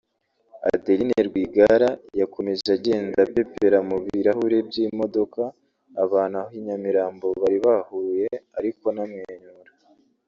Adeline Rwigara yakomeje agenda apeperera mu birahure by’imodoka abantu aho Nyamirambo bari bahuruye ariko anamwenyura